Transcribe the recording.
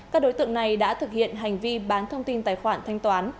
các đối tượng này đã thực hiện hành vi bán thông tin tài khoản thanh toán